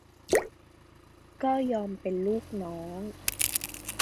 ก็ยอมเป็นลูกน้อง